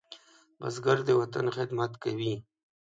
بزګر د وطن خدمت کوي